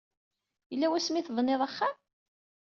Yella wasmi ay tebniḍ axxam?